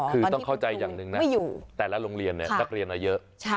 คือต้องเข้าใจอย่างหนึ่งนะแต่ละโรงเรียนนักเรียนเยอะ